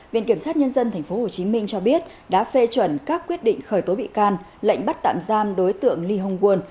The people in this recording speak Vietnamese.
viện kiểm sát nhân dân tp hcm cho biết đã phê chuẩn các quyết định khởi tố bị can lệnh bắt tạm giam đối tượng lee hong won